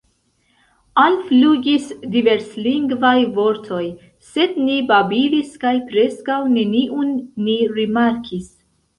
Alflugis diverslingvaj vortoj, sed ni babilis kaj preskaŭ neniun ni rimarkis.